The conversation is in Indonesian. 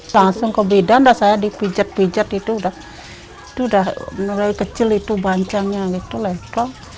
langsung ke bedanda saya dipijat pijat itu udah kecil itu bancangnya gitu letong